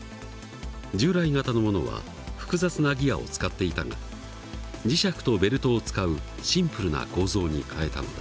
従来型のものは複雑なギアを使っていたが磁石とベルトを使うシンプルな構造に変えたのだ。